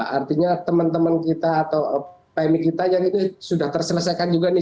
artinya teman teman kita atau pmi kita yang ini sudah terselesaikan juga nih